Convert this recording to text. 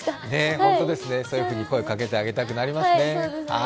そういうふうに声かけてあげたくなりますね。